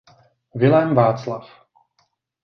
Vilém Václav.